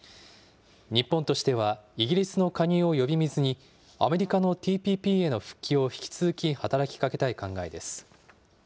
日本としては、イギリスの加入を呼び水に、アメリカのＴＰＰへの復帰を引き続き働きかけたい考えです。